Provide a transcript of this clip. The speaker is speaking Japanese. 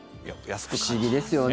不思議ですよね